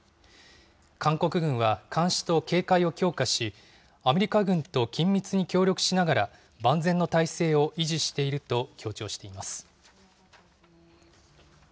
韓国軍は監視と警戒を強化し、アメリカ軍と緊密に協力しながら万全の体制を維持していると強調しています。